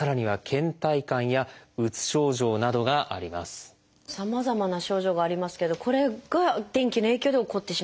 さらにさまざまな症状がありますけどこれが天気の影響で起こってしまうということですか？